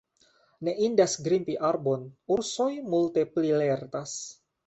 Ne indas grimpi arbon: ursoj multe pli lertas.